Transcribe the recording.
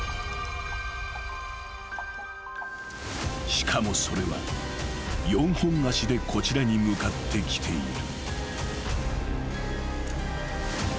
［しかもそれは４本足でこちらに向かってきている］